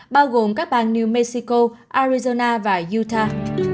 bao gồm các bang new mexico arizona và utah